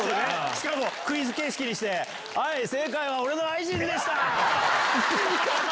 しかもクイズ形式にして正解は俺の愛人でした！